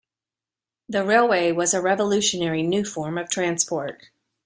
The railway was a revolutionary new form of transport.